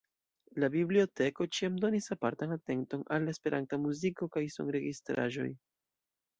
La biblioteko ĉiam donis apartan atenton al la esperanta muziko kaj al sonregistraĵoj.